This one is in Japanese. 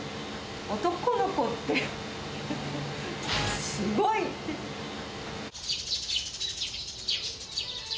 男の子ってすごいって。